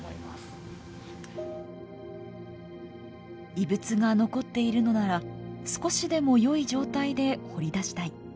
遺物が残っているのなら少しでもよい状態で掘り出したい。